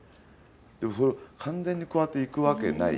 でも、それ完全にこうやっていくわけない。